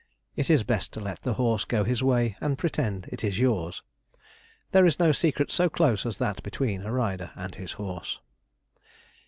It is best to let the horse go his way, and pretend it is yours. There is no secret so close as that between a rider and his horse.